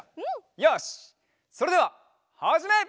よしそれでははじめ！